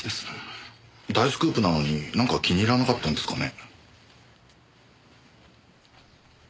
大スクープなのになんか気に入らなかったんですかね。